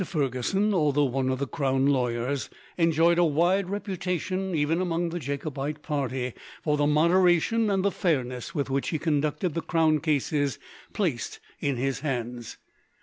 Fergusson, although one of the crown lawyers, enjoyed a wide reputation, even among the Jacobite party, for the moderation and the fairness with which he conducted the crown cases placed in his hands.